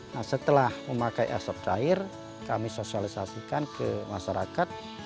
nah setelah memakai asap cair kami sosialisasikan ke masyarakat